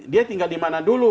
dia tinggal di mana dulu